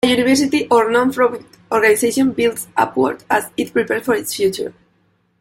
A university or non-profit organization builds upward as it prepares for its future.